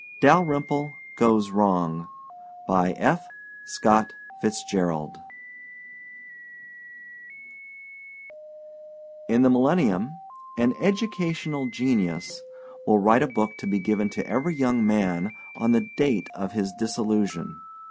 Dalyrimple Goes Wrong In the millennium an educational genius will write a book to be given to every young man on the date of his disillusion.